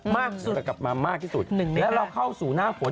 มากสุดค่ะเดี๋ยวกับมามากที่สุดแล้วเราเข้าสู่หน้าฝน